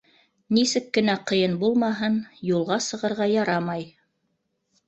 Нисек кенә ҡыйын булмаһын — юлға сығырға ярамай.